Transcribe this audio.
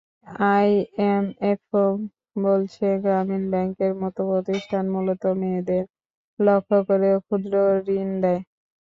আইএমএফও বলছে, গ্রামীণ ব্যাংকের মতো প্রতিষ্ঠান মূলত মেয়েদের লক্ষ্য করে ক্ষুদ্রঋণ দেয়।